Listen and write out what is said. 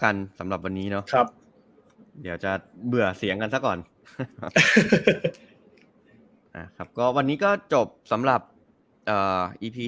กันสำหรับวันนี้เนาะเดี๋ยวจะเบื่อเสียงกันซะก่อนนะครับก็วันนี้ก็จบสำหรับอีพี